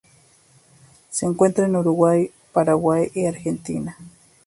Se encuentra en Uruguay, Paraguay y Argentina.